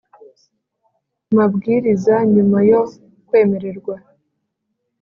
Mabwiriza nyuma yo kwemererwa